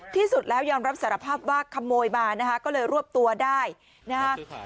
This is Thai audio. ที่สุดแล้วยอมรับสารภาพว่าขโมยมานะคะก็เลยรวบตัวได้นะฮะ